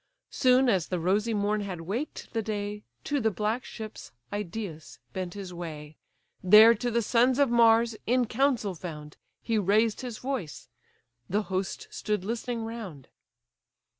Soon as the rosy morn had waked the day, To the black ships Idæus bent his way; There, to the sons of Mars, in council found, He raised his voice: the host stood listening round.